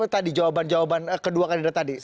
tadi jawaban jawaban kedua kandidat tadi